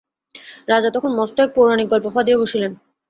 রাজা তখন মস্ত এক পৌরাণিক গল্প ফাঁদিয়া বসিলেন।